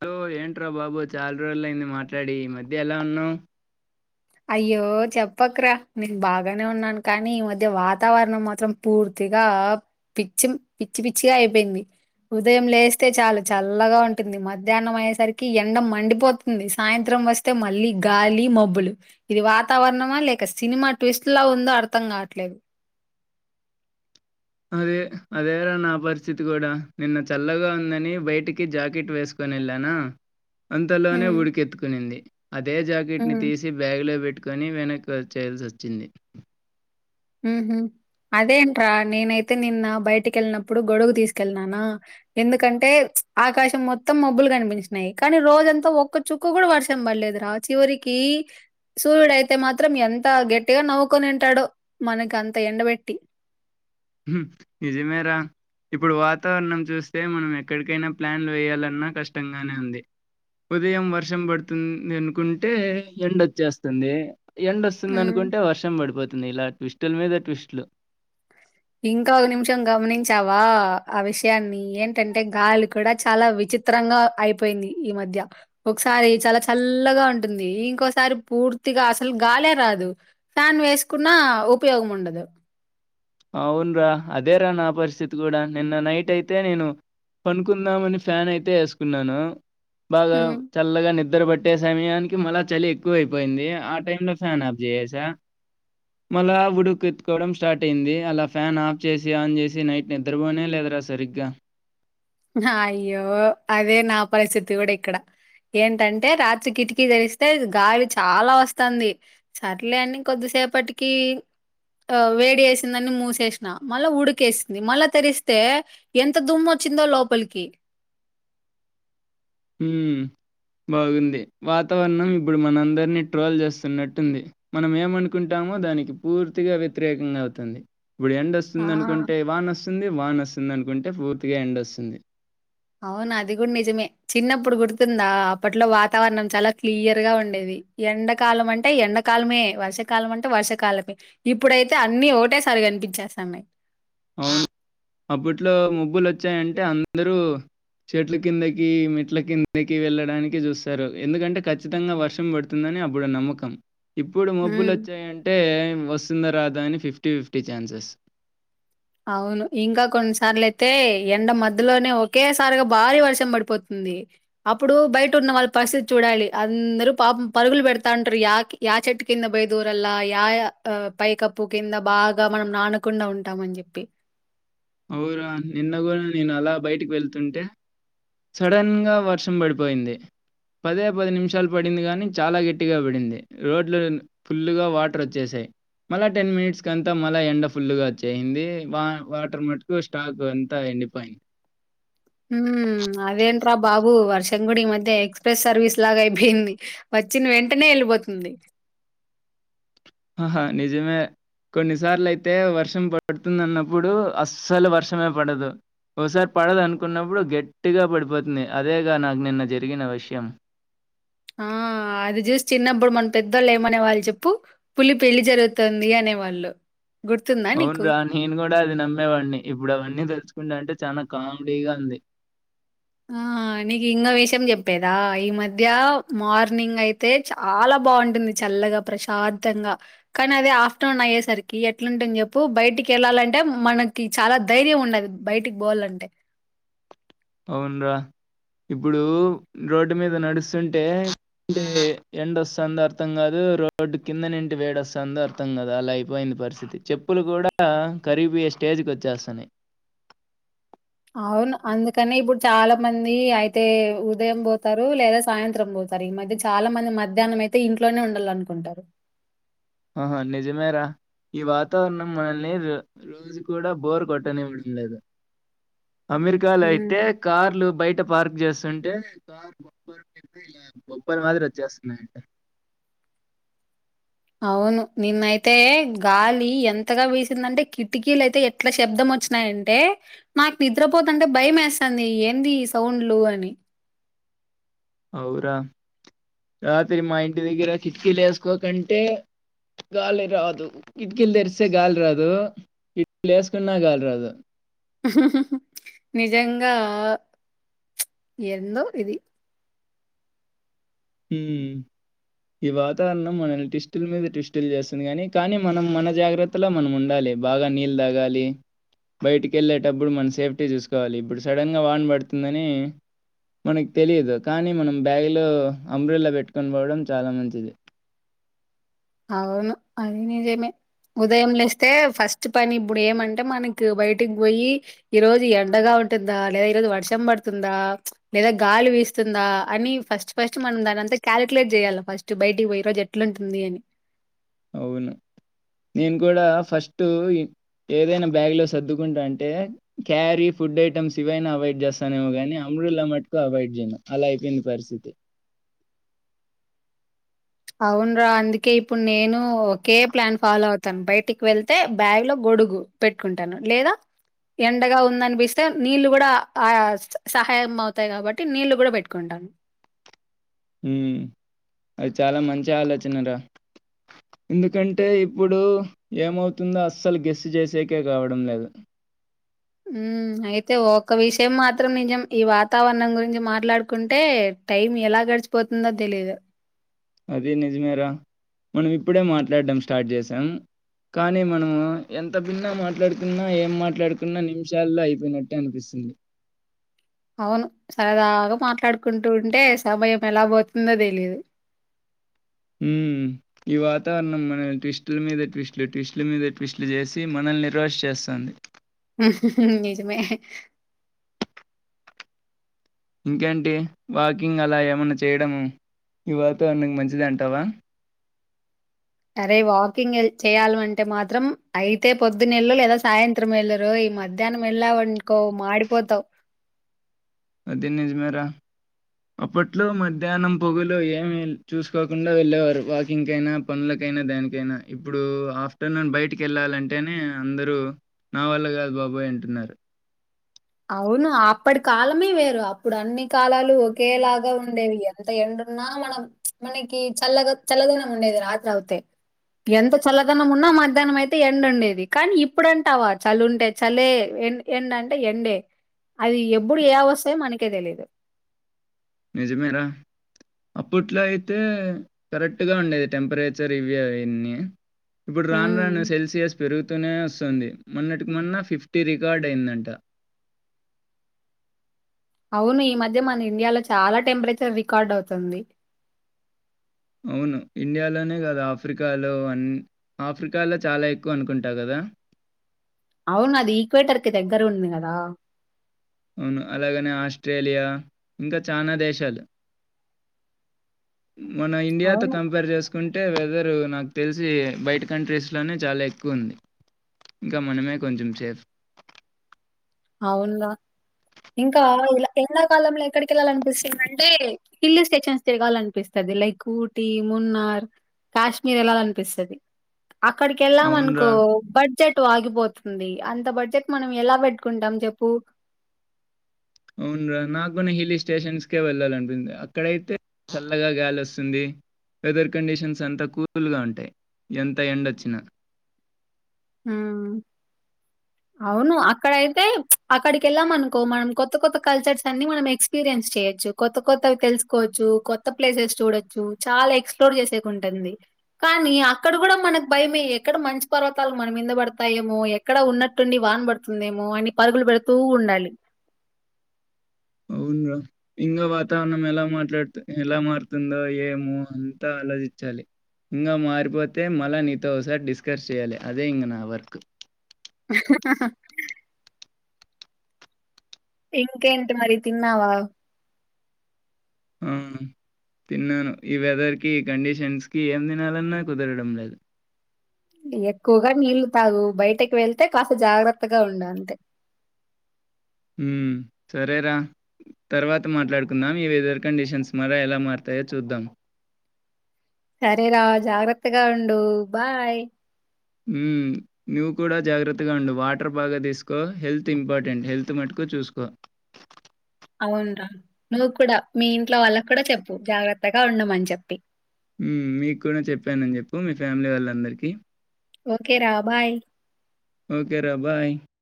Hello ఏంట్రా బాబు చాలా రోజుల అయింది. మాట్లాడి ఈ మధ్య ఎలా ఉన్నావ్. అయ్యో చెప్పక్ రా నేను బాగానే ఉన్నాను. కానీ ఈ మధ్య వాతావరణం మాత్రం పూర్తిగా పిచ్చి, పిచ్చి పిచ్చిగా అయిపోయింది. ఉదయం లేస్తే చాలు చల్లగా ఉంటుంది. మధ్యాహ్నం అయ్యేసరికి ఎండ మండిపోతుంది. సాయంత్రం వస్తే మళ్ళీ గాలి, మబ్బులు ఇది వాతావరణమా లేక. సినిమా ట్విస్ట్ లా ఉందో అర్థం కాట్లేదు. అదే అదేరా నా పరిస్థితి కూడా. నిన్న చల్లగా ఉందని బయటికి జాకెట్ వేసుకుని వెళ్ళానా. అంతలోనే హ్మ్. ఉడికెత్తుకునింది అదే జాకెట్ ని హ్మ్. తీసి బ్యాగ్ లో పెట్ కని వెనక్ వచ్చేయాల్సి అచ్చింది ఉహు అదేంట్రా నేనైతే నిన్న బయటికి వెళ్ళినప్పుడు గొడుగు తీసుకెళ్ళినానా ఎందుకంటే ఆకాశం మొత్తం మబ్బులు కనిపించినాయి కానీ రోజంతా ఒక్కచుక్క కూడా వర్షం పడలేదు రా చివరికి సూర్యుడు అయితే మాత్రం ఎంత గట్టిగా నవ్వుకొనుంటాడో మనక అంత ఎండబెట్టి ఉహ్మ్ ననిజమేరా ఇప్పుడు వాతావరణం చూస్తే మనం ఎక్కడికైనా ప్లాన్లు వేయాలన్నా కష్టంగానే ఉంది. ఉదయం వర్షం పడుతుంది. అనుకుంటే ఎండవచ్చేస్తుంది. ఎండ్ వస్తుంది. హ్మ్. అనుకుంటే వర్షం పడిపోతుంది. ఇలా ట్విస్టుల మీద ట్విస్టులు. ఇంకా ఒక నిమిషం గమనించావా. ఆ విషయాన్ని ఏంటంటే గాలి కూడా చాలా విచిత్రంగా అయిపోయింది. ఈ మధ్య ఒకసారి చాలా చల్లగా ఉంటుంది. ఇంకోసారి పూర్తిగా అసలు గాలే రాదు. ఫ్యాన్ వేసుకున్నా ఉపయోగం ఉండదు. అవును రా. అదేరా నా పరిస్థితి కూడా నిన్న నైట్ అయితే నేను పనుకుందామని ఫ్యాన్ అయితే వేసుకున్నాను. బాగా హ్మ్. చల్లగాని నిద్ర పట్టే సమయానికి మళ్ళ చలి ఎక్కువ అయిపోయింది. ఆ టైంలో ఫ్యాన్ ఆఫ్ చేసేసా మళ్ళీ ఉడుకు ఎత్తుకోవడం స్టార్ట్ అయింది. అలా ఫ్యాన్ ఆఫ్ చేసి ఆన్ చేసి నైట్ నిద్రబోనే లేదరా సరిగ్గా. హా అయ్యో అదే నా పరిస్థితి కూడా ఇక్కడ. ఏంటంటే రాత్రి కిటికీ తెరిస్తే గాలి చాలా వస్తాంది. సర్లే అని కొద్దిసేపటికి ఆ వేడి వేసిందని మూసేసిన మళ్ళా ఉడికేసింది. మళ్ళా తెరిస్తే ఎంత దుమ్ వచ్చిందో లోపల్ పలికి ఉహ్మీ బాగుంది. వాతావరణం ఇప్పుడు మనందరినీ ట్రోల్ చేస్తున్నట్టుంది. మనం ఏమనుకుంటామో దానికి పూర్తిగా వ్యతిరేకంగా అవుతుంది. ఇప్పుడు ఎండ వస్తుంది, ఆ! అనుకుంటే వాన్ వస్తుంది. వాన్ వస్త్ దనుకుంటే పూర్తిగా ఎండ్ వస్తుంది. అవును అది కూడా నిజమే. చిన్నప్పుడు గుర్తుందా అప్పట్లో వాతావరణం చాలా క్లియర్ గా ఉండేది. ఎండాకాలం అంటే ఎండాకాలమే, వర్షాకాలం అంటే వర్షకాలమే. ఇప్పుడైతే అన్ని ఒకటేసారి కనిపించేస్తాన్నాయి. అవును అప్పట్లో ముబ్బులు వచ్చాయంటే అందరూ. చెట్ల కిందకి, మెట్ల కిందకి వెళ్ళడానికి చూస్తారు. ఎందుకంటే ఖచ్చితంగా వర్షం పడుతుందని అప్పుడు నమ్మకం. ఇప్పుడు మబ్బులు ఉమ్, వచ్చాయంటే వస్ దా. రాదా అని ఫిఫ్టీ ఫిఫ్టీ ఛాన్సెస్ అవును ఇంకా కొన్నిసార్లు అయితే. ఎండ మధ్యలోనే ఒకేసారిగా భారీ వర్షం పడిపోతుంది. అప్పుడు బయట ఉన్న వాళ్ళ పరిస్థితి చూడాలి. అందరు పాప పరుగులు పెడతా ఉంటారు. యాకి యా చెట్టు కింద పోయ దూరల్లా, యా ఆహ్ పైకప్పు కింద బాగా మనం నానకుండా ఉంటామని చెప్ ప్పి అవురా నిన్న కూడా నేను అలా బయటికి వెళ్తుంటే సడన్గా వర్షం పడిపోయింది. పదే పది నిమిషాలు పడింది కానీ చాలా గట్టిగా పడింది. రోడ్లు ఫుల్లుగా వాటర్ వచ్చేసాయి. స్టాక్ ఎంతా ఎండిపోయి ఉహ్మ్ అదేంట్రా బాబు వర్షం కూడా ఈ మధ్య ఎక్స్ప్రెస్ సర్వీస్ లాగా అయిపోయింది. వచ్చిన వెంటనే వెళ్ళిపోతుంది. ఆ నిజమే కొన్నిసార్లు అయితే వర్షం పడుతుంది. అన్నప్పుడు అస్సలు వర్షమే పడదు ఓసారి పడదు అనుకున్నప్పుడు గట్టిగా పడిపోతుంది. అదేగా నాకు నిన్న జరిగిన విషయం. ఆహ్ అది చూసి చిన్నప్పుడు మన పెద్ధోళ్ళు ఏమనే వాళ్ళు చెప్పు. పులి పెళ్లి జరుగుతుంది అనేవాళ్ళు. గుర్తుందా అవును నీకు? రా నేను కూడా అది నమ్మేవాడిని. ఇప్పుడు అవన్నీ తలుచుకుంటంటే. చానా కామెడీగా ఉంది. ఆ నీకు ఇంగో విషయం చెప్పేదా. ఈ మధ్య మార్నింగ్ అయితే చాలా బాగుంటుంది. చల్లగా, ప్రశాంతంగా కానీ అదే ఆఫ్టర్నూన్ అయ్యేసరికి ఎట్లుంటుని చెప్పు. బయటికి వెళ్ళాలంటే మనకి చాలా ధైర్యం ఉండల్ బయటికి బోవాలంటే. అవున్రా. ఇప్పుడు రోడ్డు మీద నడుస్తుంటే అంటే ఎండ వస్తుందో అర్థం కాదు. రోడ్డు కింద నుంటి వేడ వస్తుందో అర్థం కాదు. అలా అయిపోయింది పరిస్థితి. చెప్పులు కూడా కరీపోయే స్టేజ్కి వచ్చేస్తన్నాయి. అవును అందుకనే ఇప్పుడు చాలా మంది. అయితే ఉదయం పోతారు లేదా సాయంత్రం పోతారు ఈ మధ్య చాలా మంది మధ్యాహ్నం అయితే ఇంట్లోనే ఉండాల అనుకుంటారు. ఆహా నిజమేరా ఈ వాతావరణం మనల్ని ర రోజు కూడా బోర్ కొట్టనివ్వడం లేదు అమెరికాలో అయితే హ్మ్ కార్లు బయట పార్క్ చేస్త వస్తుంటే కార్ బొప్ప ఇలా బొప్పల్ మాదిరి వచ్చేస్తున్నాయింట అవును నిన్నయితే గాలి ఎంతగా వీసిందంటే కిటికీలు అయితే ఎట్ల శబ్దం వచ్చినాయంటే నాకు నిద్రపోతుంటే భయం వేస్తుంది ఏంది ఈ సౌండ్లు అని అఔరా రాత్రి మా ఇంటి దగ్గర కిటికీలు వేసుకోకంటే గాలి రాదు కిటికీలు తెరిస్తే గాలి రాదు కిటికీలు వేసుకున్నా గాలి రాదు నిజంగా ప్చ్ ఎందో ఇది హు ఈ వాతావరణం మనల్ని టివిస్టుల మీద టివిస్టులు చేస్తుంది కానీ కానీ మనం మన జాగ్రత్తలో మనం ఉండాలి బాగా నీళ్ళ తాగాలి బయటికి వెళ్ళేటప్పుడు మనం సేఫ్టీ చూసుకోవాలి ఇప్పుడు సడన్గా వాన్ పడుతుందని మనకు తెలియదు కానీ మనం బ్యాగ్లో అంబ్రలా పెట్టుకొని పోవడం చాలా మంచిది అవును అది నిజమే. ఉదయం లేస్తే ఫస్ట్ పని ఇప్పుడు ఏమంటే మనకి బయటికి పోయి. ఈరోజు ఎండగా ఉంటుందా, లేదా ఈరోజు వర్షం పడుతుందా, లేదా గాలి వీస్తుందా. అని ఫస్ట్ ఫస్ట్ మనం దాని అంతా కాలిక్యులేట్ చేయాల్ల ఫస్ట్ బయటికి పోయి. ఈ రోజు ఎట్లూంటుంది అని. అవును నేను కూడా ఫస్ట్ ఏ ఏదైనా బ్యాగ్లో సర్దుకుంటంటే క్యారీ, ఫుడ్ ఐటమ్స్ ఇవైనా అవాయిడ్ చేస్తానేమో కానీ. అంబ్రేల్లా మటుకు అవాయిడ్ జేయను అలా అయిపోయింది. పరిస్థితి అవునరా అందుకే ఇప్పుడు నేను. ఒకే ప్లాన్ ఫాలో అవుతాను బయటికి వెళ్తే బ్యాగ్ లో గొడుగు పెట్టుకుంటాను, లేదా ఎండగా ఉందనిపిస్తే నీళ్ళు కూడా ఆ సహాయం అవుతాయి. కాబట్టి నీళ్లు కూడా పెట్టుకుంటాను. ఉహ్మ్ అది చాలా మంచి ఆలోచన రా. ఎందుకంటే ఇప్పుడు ఏమవుతుందో అస్సలు గెస్ చేసేకే కావడం లేదు. ఉమ్మ్ అయితే ఒక విషయం మాత్రం నిజం. ఈ వాతావరణం గురించి మాట్లాడుకుంటే. టైం ఎలా గడిచిపోతుందో తెలీదు అదే నిజమేరా మనం ఇప్పుడే మాట్లాడడం స్టార్ట్ చేసాం కానీ మనం ఎంత భిన్న మాట్లాడుకున్నా ఏం మాట్లాడుకున్నా నిమిషాల్లో అయిపోయినట్టే అనిపిస్తుంది అవును సరదాగా మాట్లాడుకుంటూ ఉంటే సమయం ఎలా పోతుందో తెలియదు మ్మ్ ఈ వాతావరణం మన ట్విస్టుల మీద ట్విస్ట్లు ట్విస్టుల మీద ట్విస్ట్లు చేసి మనల్ని నిర్వాశ చేస్తుంది నిజమే ఇంకేంటి వాకింగ్ అలా ఏమన్నా చేయడము ఈ వాతావరణానికి మంచిదంటావా అరే వాకింగ్ చేయాల అంటే మాత్రం అయితే పొద్దునెలు లేదా సాయంత్రం ఏలూరోయ్ ఈ మధ్యాహ్నం వెళ్ళానుకో మాడిపోతావు అదిే నిజమేరా అప్పట్లో మధ్యాహ్నం పొగులు ఏమి చూసుకోకుండా వెళ్ళేవారు వాకింగ్కైనా పనులకైనా దానికైనా ఇప్పుడు ఆఫ్టర్నూన్ బయటికి వెళ్ళాలంటేనే అందరూ నా వల్ల కాదు బాబోయ్ అంటున్నారు అవును అప్పటి కాలమే వేరు అప్పుడు అన్నిీ కాలాలు ఒకేలాగా ఉండేవి ఎంత ఎండున్నా మనం మనకి చల్లగా చల్లదనం ఉండేది రాత్రి అవుతే ఎంత చల్లదనం ఉన్నా మధ్యాహ్నం అయితే ఎండు ఉండేది కానీ ఇప్పుడంటావా చలి ఉంటే చలే ఎం ఎండ అంటే ఎండే అది ఎప్పుడు ఏ అవస్యో మనకే తెలిదు నిజమేరా అప్పట్లో అయితే కరెక్ట్గా ఉండేది టెంపరేచర్ రివ్యూ అన్ని ఇప్పుడు రాను ఉమ్ రాను సెల్సియస్ పెరుగు నే వస్తుంది మొన్నటికి మొన్న ఫిఫ్టీ రికార్డ్ అయిందంట అవును ఈ మధ్య మన ఇండియాలో చాలా టెంపరేచర్ రికార్డ్ అవుతుంది అవును ఇండియాలోనే కాదుా ఆఫ్రికాలో అ ఆఫ్రికాలో చాలా ఎక్కువ అనుకుంటా కదా అవును అది ఈక్వేటర్ కి దగ్గర ఉంది కదా అవును అలాగనే ఆస్ట్రేలియా ఇంకా చనా దేశాలు మన ఇండియాతో అవును కంపేర్ చేసుకు తీసుకుంటే వెదరు నాకు తెలిసి బయట కంట్రీస్లోనే చాలా ఎక్కువ ఉంది ఇంకా మనమే కొంచెం సేఫ్ అవునుగా ఇంకాలా ఎన్నా కాలంలో ఎక్కడికి వెళ్ళాలనిపిస్తుంది అంటే హిల్ స్టేషన్స్ తిరగాలనిపిస్తుది లైక్ ఊటీ మున్నార్ కాశ్మీర్ వెళ్లాలనిపిస్తుది అక్కడికెళ్లా మనకు అవునురా! బడ్జట్ ఆగిపోతుంది అంత బడ్జెట్ మనం ఎలా పెట్ టాం చెప్పు అవును రా నాకున్న హిల్ స్టేషన్స్కే వెళ్ళాలినుపింది అక్కడైతే చల్లగా గాలి వస్తుంది వెదర్ కండిషన్స్ అంత కూల్గా ఉంటాయి ఎంత ఎండచ్చినా అవును అక్కడ అయితే అక్కడికి వెళ్ళాం అనుకో మనం కొత్త కొత్త కల్చర్స్ అన్ని మనం ఎక్స్పీరియన్స్ చేయొచ్చు కొత్త కొత్తవి తెలుసుకోవచ్చు కొత్త ప్లేసెస్ చూడొచ్చు చాలా ఎక్స్ప్లోర్ చేసేకుంటుంది కానీ అక్కడ కూడా మనకు భయమే ఎక్కడ మంచి పర్వత కు మనం కింద పడతాయేమో ఎక్కడ ఉన్నట్టుండి వాన పడుతుందేమో అని పరుగులు పెడుతూ ఉండాలి ఇంకా వాతావరణం ఎలా మాట్లాడుతు ఎలా మారుతుందో ఏమో అంతా ఆలోచించాలి ఇంకా మారిపోతే మళ్ళ నీతో ఒకసారి డిస్కస్ చేయాలి అదే ఇంక నా వర్క్ ఇంకేంటి మరి తిన్నావా ఆ తిన్నాను ఈ వెదర్ కి కండిషన్స్ కి ఏం తినాలన్నా కుదరడం లేదు ఎక్కువగా నీళ్లు తాగు బయటకి వెళ్తే కాస్త జాగ్రత్తగా ఉండంతే ఉ సరేరా తర్వాత మాట్లాడుకుందాం ఈ వెదర్ కండిషన్స్ మర ఎలా మారతాయో చూద్దాం సరే రా జాగ్రత్తగా ఉండు బాయ్ ఉ నువ్వు కూడా జాగ్రత్తగా ఉండు వాటర్ బాగా తీసుకో హెల్త్ ఇంపార్టెంట్ హెల్త్ మటుకు చూసుకో అవును రా నువ్వు కూడా మీ ఇంట్లో వాళ్ళకు కూడా చెప్పు జాగ్రత్తగా ఉండమని చెప్పి మీకు కూడా చెప్పానని చెప్పు మీ ఫ్యామిలీ వాళ్ళందరికీ ఓకేరా బాయ్ ఓకే రా బాయ్